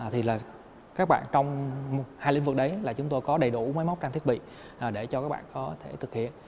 thì là các bạn trong hai lĩnh vực đấy là chúng tôi có đầy đủ máy móc trang thiết bị để cho các bạn có thể thực hiện